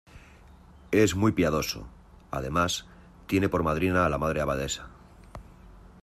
es muy piadoso... además tiene por madrina a la Madre Abadesa .